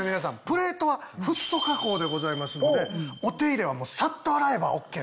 プレートはフッ素加工でございますのでお手入れはさっと洗えばＯＫでございます。